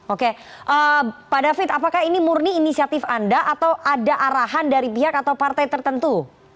oke pak david apakah ini murni inisiatif anda atau ada arahan dari pihak atau partai tertentu